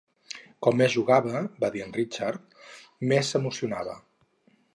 "Com més jugava", va dir Richard, "més s'emocionava".